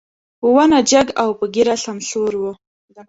په ونه جګ او په ږيره سمسور و.